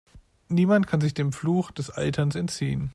Niemand kann sich dem Fluch des Alterns entziehen.